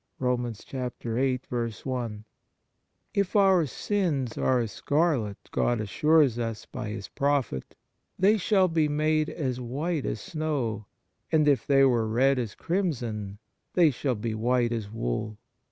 1 If our " sins are as scarlet," God assures us by His prophet, " they shall be made as white as snow; and if they were red as crimson they shall be white as wool."